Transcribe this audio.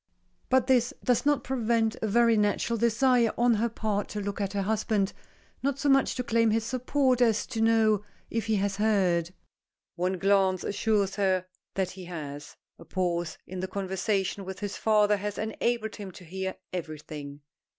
But this does not prevent a very natural desire on her part to look at her husband, not so much to claim his support as to know if he has heard. One glance assures her that he has. A pause in the conversation with his father has enabled him to hear everything.